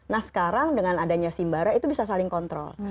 nah sekarang dengan adanya simbara itu bisa saling kontrol